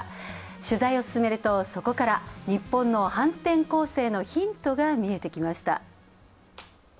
取材を進めると、そこから日本の反転攻勢のヒントが見えてきました。